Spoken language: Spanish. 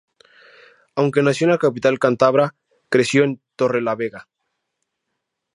Aunque nació en la capital cántabra, creció en Torrelavega.